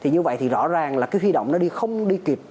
như vậy thì rõ ràng là cái khuy động nó không đi kịp